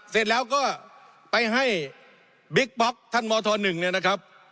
เสร็จแล้วก็ไปให้บิ๊กป๊อกท่านมธ๑เนี่ยนะครับ